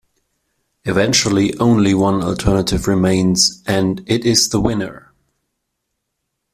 Eventually only one alternative remains, and it is the winner.